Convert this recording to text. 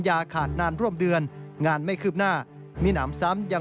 ทำให้เกิดปัชฎพลลั่นธมเหลืองผู้สื่อข่าวไทยรัฐทีวีครับ